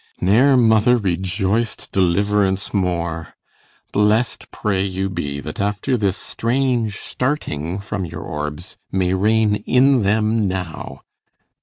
Ne'er mother Rejoic'd deliverance more. Blest pray you be, That, after this strange starting from your orbs, You may reign in them now!